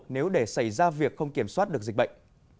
nếu để xảy ra việc không kiểm soát được dịch bệnh